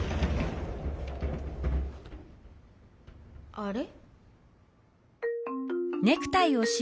あれ？